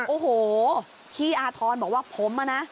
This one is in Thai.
โอ้โหพี่อาธรณ์บอกว่าผมอะนะ